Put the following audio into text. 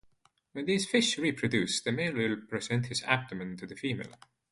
When these fish reproduce, the male will present his abdomen to the female.